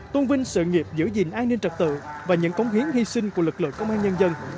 tôn vinh sự nghiệp giữ gìn an ninh trật tự và những cống hiến hy sinh của lực lượng công an nhân dân